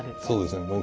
そうですね。